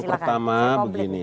yang pertama begini